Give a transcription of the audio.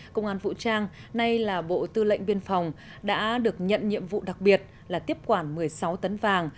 công an vũ trang nay là bộ tư lệnh biên phòng đã được nhận nhiệm vụ đặc biệt là tiếp quản một mươi sáu tấn vàng